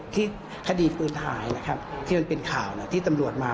ที่คดีปืนหายนะครับที่มันเป็นข่าวที่ตำรวจมา